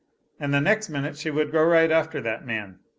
And the next minute she would go right after that man.